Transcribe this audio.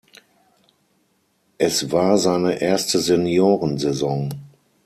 Es war seine erste Senioren-Saison.